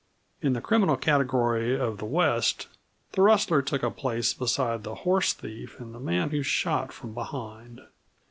In the criminal category of the West the rustler took a place beside the horse thief and the man who shot from behind.